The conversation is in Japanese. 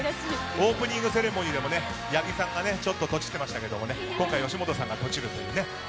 オープニングセレモニーでも八木さんがちょっとトチってましたけども今回は吉本さんがトチるというね。